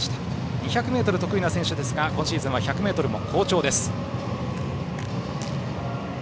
２００ｍが得意な選手ですが今シーズンは１００ｍも好調です。